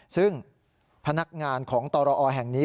ซึ่งพนักงานของตรอแห่งนี้